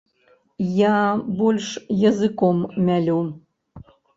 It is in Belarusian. Я больш языком мялю.